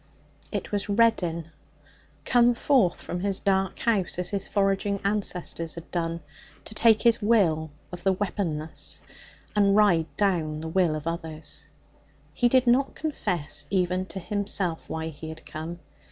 It was Reddin, come forth from his dark house, as his foraging ancestors had done, to take his will of the weaponless and ride down the will of others. He did not confess even to himself why he had come.